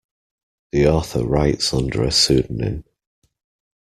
The author writes under a pseudonym.